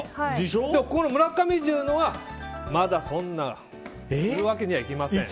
この村上重のはまだそんな売るわけにはいきません。